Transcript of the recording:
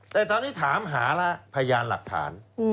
แต่ตอนนี้ถามหาแล้วพยานหลักฐาน